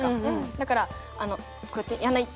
だからこうやって「やんない」って。